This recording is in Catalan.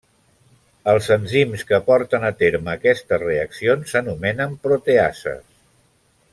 Els enzims que porten a terme aquestes reaccions s'anomenen proteases.